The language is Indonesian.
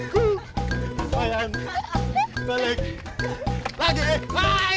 kumain balik lagi